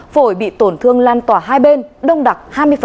phổi bị tổn thương lan tỏa hai bên đông đặc hai mươi